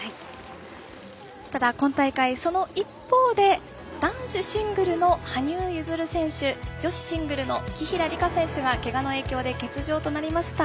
ただ今大会、その一方で男子シングルの羽生結弦選手女子シングルの紀平梨花選手がけがの影響で欠場となりました。